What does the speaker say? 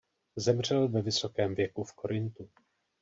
Zemřel ve vysokém věku v Korintu.